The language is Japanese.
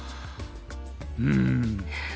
うん。